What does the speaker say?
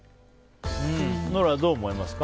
ノラ、どう思いますか？